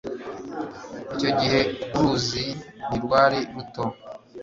Icyo gihe uruzi ntirwari ruto